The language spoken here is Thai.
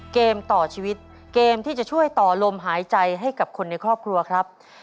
เกมต่อชีวิตเกมที่จะช่วยต่อลมหายใจให้กับคนในครอบครัวครับ